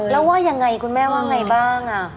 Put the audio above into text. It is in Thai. แล้วว่ายังไงคุณแม่ว่าไงบ้าง